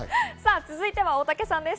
続いては、大竹さんです。